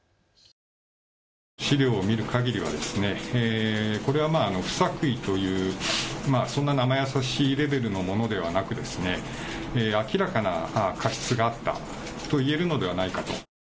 資料を見るかぎりはこれはもう不作為というそんななまやさしいレベルのものではなく明らかな過失があったといえるのではないか。